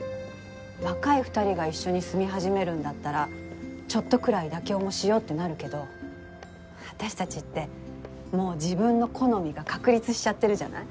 若い２人が一緒に住み始めるんだったらちょっとくらい妥協もしようってなるけど私たちってもう自分の好みが確立しちゃってるじゃない？